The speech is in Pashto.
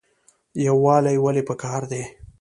یووالی ولې پکار دی؟